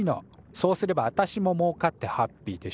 そうすればあたしももうかってハッピーでしょ？